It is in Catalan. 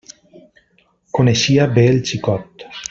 Coneixia bé el xicot.